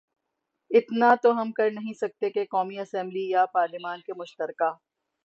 اتنا تو ہم کرنہیں سکتے کہ قومی اسمبلی یا پارلیمان کے مشترکہ